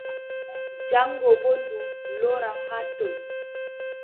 Jaŋgo boo ndu lori haa ton.